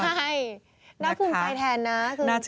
ใช่น่าภูมิใจแทนนะ